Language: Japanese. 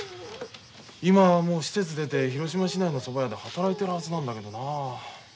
今はもう施設出て広島市内のそば屋で働いてるはずなんだけどなあ。